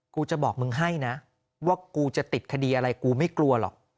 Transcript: กูจะบอกมึงให้นะว่ากูจะติดคดีอะไรกูไม่กลัวหรอก